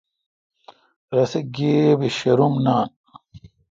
رسے گیبہ شروم نان۔